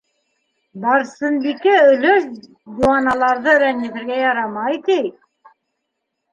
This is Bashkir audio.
Барсынбикә өләс диуаналарҙы рәнйетергә ярамай ти!